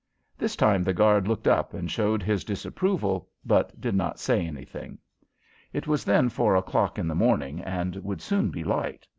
This time the guard looked up and showed his disapproval, but did not say anything. It was then four o'clock in the morning and would soon be light.